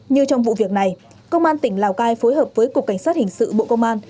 như trong vụ việc này công an tỉnh lào cai phối hợp với cục cảnh sát hình sự bộ công an